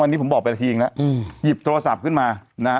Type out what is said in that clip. วันนี้ผมบอกไปละทีเองแล้วหยิบโทรศัพท์ขึ้นมานะฮะ